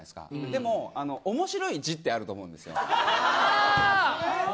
でも、おもしろい字ってあると思うんです。